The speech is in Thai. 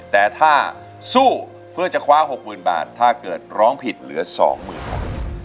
แต่ถ้าสู้เพื่อจะคว้า๖๐๐๐บาทถ้าเกิดร้องผิดเหลือ๒๐๐๐บาท